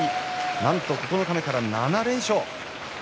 なんと九日目から７連勝。